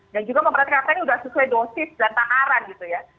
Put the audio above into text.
dan juga memperhatikan apakah ini sudah sesuai dosis data aran gitu ya